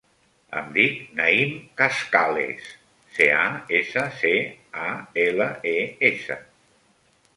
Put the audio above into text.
Em dic Naïm Cascales: ce, a, essa, ce, a, ela, e, essa.